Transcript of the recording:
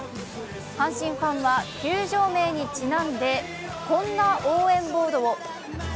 阪神ファンは球場名にちなんで、こんな応援ボードを。